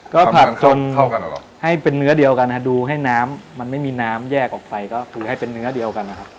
ก็ผัดจนให้เป็นเนื้อเดียวกันดูให้น้ำมันไม่มีน้ำแยกออกไปก็คือให้เป็นเนื้อเดียวกันนะครับ